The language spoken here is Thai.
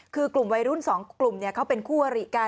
คือกลุ่มวัยรุ่น๒กลุ่มเขาเป็นคู่อริกัน